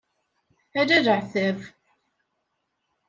Ala leɛtab.